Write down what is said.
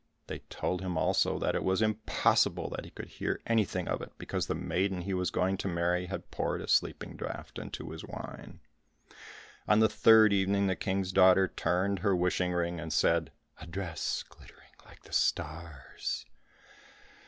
They told him also that it was impossible that he could hear anything of it, because the maiden he was going to marry had poured a sleeping draught into his wine. On the third evening, the King's daughter turned her wishing ring, and said, "A dress glittering like the stars."